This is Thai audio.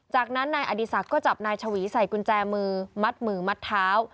จากนั้นนายอดีศักดิ์ก็จับนายชวีใส่กุญแจมือมัดมือมัดเท้า